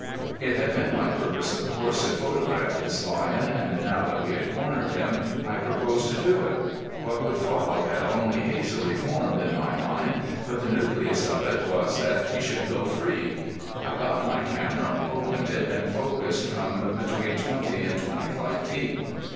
It had been my purpose, of course, to photograph this lion, and now that we had cornered him I proposed to do it. What would follow had only hazily formed in my mind, but the nucleus of it was that he should go free. I got my camera, opened it, and focused from between twenty and twenty five feet.